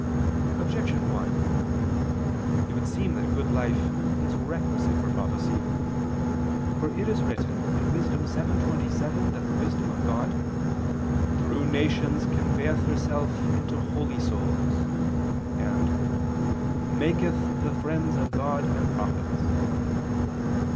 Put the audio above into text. Objection 1: It would seem that a good life is requisite for prophecy. For it is written (Wis. 7:27) that the wisdom of God "through nations conveyeth herself into holy souls," and "maketh the friends of God, and prophets."